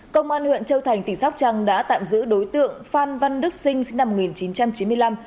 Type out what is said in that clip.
công an huyện châu thành tỉnh sóc trăng đã tạm giữ đối tượng phan văn đức sinh sinh năm một nghìn chín trăm chín mươi năm